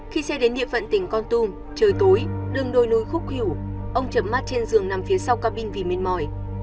khi xe đến địa phận tỉnh con tum trời tối đường đôi núi khúc hữu ông chậm mắt trên giường nằm phía sau ca binh vì mệt mỏi